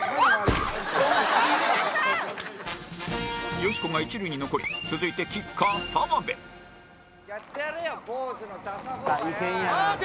よしこが一塁に残り続いてキッカー澤部やってやるよ坊主のダサ坊がよ。